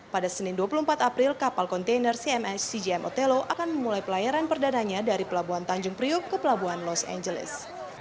pada senin dua puluh empat april kapal kontainer cmx cgm otelo akan memulai pelayaran perdananya dari pelabuhan tanjung priuk ke pelabuhan los angeles